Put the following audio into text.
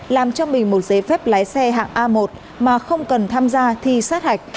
làm cho mình một giấy phép lái xe hạng a một mà không cần tham gia thi sát hạch